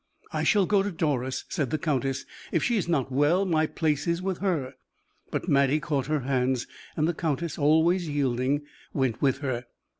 "I shall go to Doris," said the countess: "if she is not well, my place is with her." But Mattie caught her hands, and the countess, always yielding, went with her.